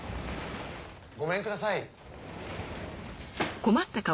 ごめんください。